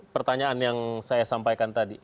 pertanyaan yang saya sampaikan tadi